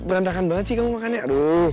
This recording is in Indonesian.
berantakan banget sih kamu makannya